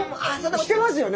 してますよね